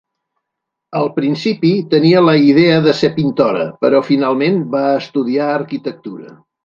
Al principi tenia la idea de ser pintora, però finalment va estudiar arquitectura.